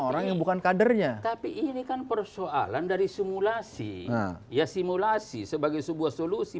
orang yang bukan kadernya tapi ini kan persoalan dari simulasi ya simulasi sebagai sebuah solusi